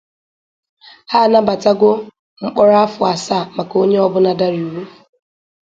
Ha anabatago mkpọrọ afọ asaa maka onye ọ bụna dara iwu a.